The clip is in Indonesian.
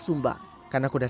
untuk membuat kuda yang kuat